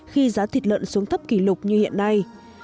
khi giá thịt lợn xuống thấp kỷ lục như hiện nay